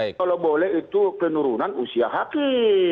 kalau boleh itu penurunan usia hakim